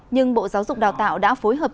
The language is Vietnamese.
nhưng bộ giáo dục đào tạo đã phối hợp